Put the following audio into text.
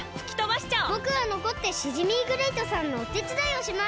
ぼくはのこってシジミーグレイトさんのおてつだいをします！